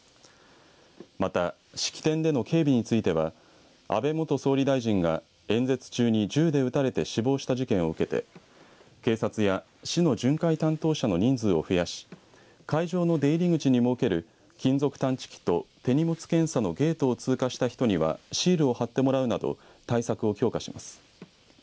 また、式典での警備については安倍元総理大臣が演説中に銃で撃たれて死亡した事件を受けて警察や市の巡回担当者の人数を増やし会場の出入り口に設ける金属探知機と手荷物検査のゲートを通過した人にはシールを貼ってもらうなど対策を強化します。